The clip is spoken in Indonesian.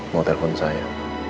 mau telepon saya